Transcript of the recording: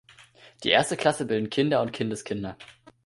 Die erste Klasse bilden Kinder und Kindeskinder.